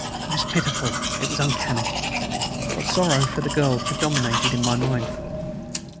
It was pitiful; it was uncanny. But sorrow for the girl predominated in my mind.